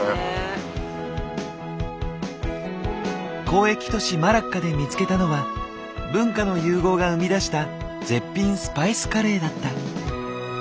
交易都市マラッカで見つけたのは文化の融合が生み出した絶品スパイスカレーだった。